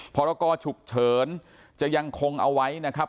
พรกรฉุกเฉินจะยังคงเอาไว้นะครับ